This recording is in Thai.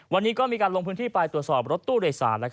วันนี้ก็มีการลงพื้นที่ไปตรวจสอบรถตู้โดยสาร